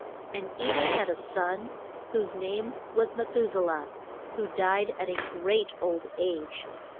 And E noch had a son whose name was Me thu se lah, who died at a great old age.